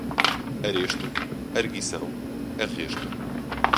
aresto, arguição, arresto